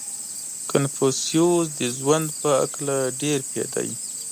• کنفوسیوس د ژوند په هکله ډېر پوهېده.